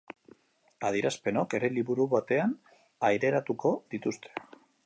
Adierazpenok ere liburu batean aireratuko dituzte.